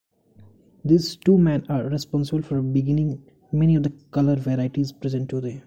These two men are responsible for beginning many of the color varieties present today.